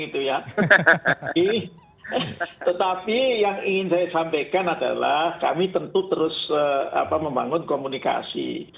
tetapi yang ingin saya sampaikan adalah kami tentu terus membangun komunikasi